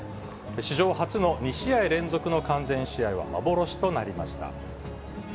史上初の２試合連続の完全試合は幻となりました。